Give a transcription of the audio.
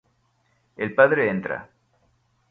El padre entra.